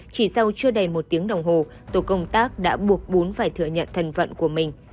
chỉ sau chưa đầy một tiếng đồng hồ tổ công tác đã buộc bún phải thừa nhận thần vận của mình